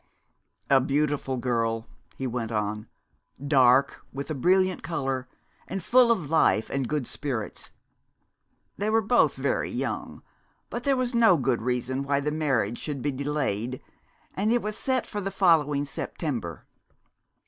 "A beautiful girl," he went on, "dark, with a brilliant color, and full of life and good spirits. They were both very young, but there was no good reason why the marriage should be delayed, and it was set for the following September."